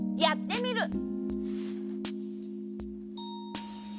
やってみる！